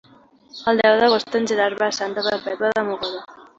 El deu d'agost en Gerard va a Santa Perpètua de Mogoda.